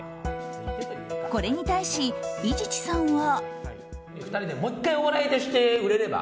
これに対し伊地知さんは。